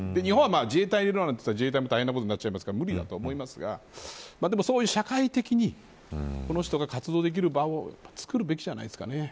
日本は、自衛隊に入れるとなったら、大変なことになっちゃいますから無理だと思いますが社会的にこの人が活動できる場をつくるべきじゃないですかね。